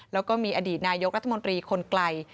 แล้วก็มีอดีตนายกรัฐมนตรีคนไกล